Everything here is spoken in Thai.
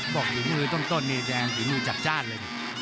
บอกอยู่มือต้นนี่แดงอยู่มือจัดเลย